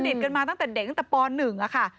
นิดกันมาตั้งแต่เด็กเพียงแต่ป๑อะค่ะ